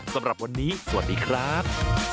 สำหรับวันนี้สวัสดีครับ